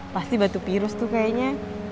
pasti batu virus tuh kayaknya